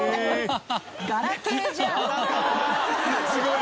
ガラケーじゃん。